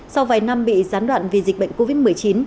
sau vài năm bị gián đoạn vì dịch bệnh covid một mươi chín